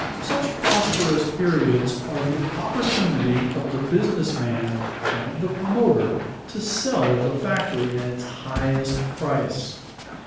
Such prosperous periods are the opportunity of the business man and of the promoter to sell the factory at its highest price.